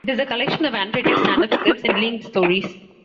It is a collection of annotated stand-up scripts and linked stories.